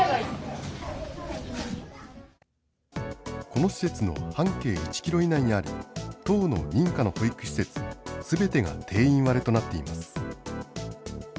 この施設の半径１キロ以内にある１０の認可の保育施設、すべてが定員割れとなっています。